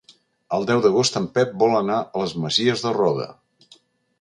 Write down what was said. El deu d'agost en Pep vol anar a les Masies de Roda.